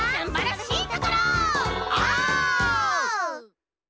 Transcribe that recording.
オ！